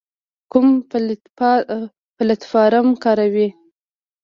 کوم پلتفارم کاروئ؟